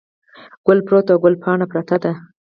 ګل پروت او ګل پاڼه پرته ده.